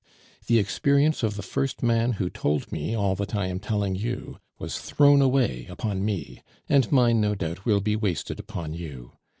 The experience of the first man who told me all that I am telling you was thrown away upon me, and mine no doubt will be wasted upon you.